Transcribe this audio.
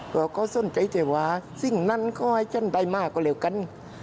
เราก็ส้นใจเจ๋วาซึ่งนั่นก็ให้ฉันได้มากกว่าเหลือกัน